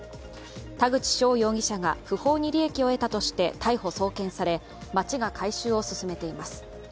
田口翔容疑者が不法に利益を得たとして逮捕・送検され町が回収を進めています。